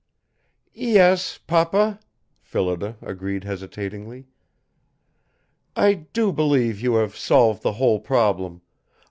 "Yes, Papa," Phillida agreed hesitatingly. "I do believe you have solved the whole problem.